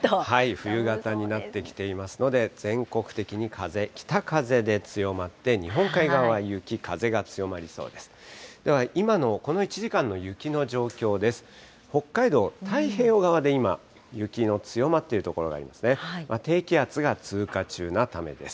冬型になってきていますので、全国的に風、北風で強まって、日本海側は雪、風が強まりそうです。